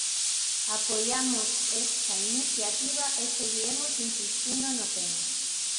Apoiamos esta iniciativa e seguiremos insistindo no tema.